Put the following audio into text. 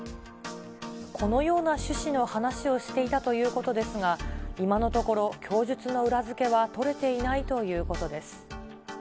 このような趣旨の話をしていたということですが、今のところ、供述の裏付けは取れていないということです。